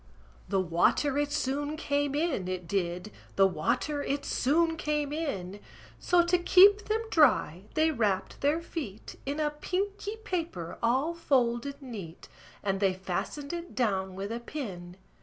The water it soon came in, it did; The water it soon came in: So, to keep them dry, they wrapped their feet In a pinky paper all folded neat; And they fastened it down with a pin.